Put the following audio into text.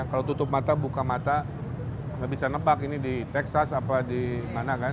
kalau tutup mata buka mata nggak bisa nepak ini di texas apa di mana kan